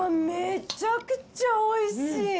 めちゃくちゃおいしい！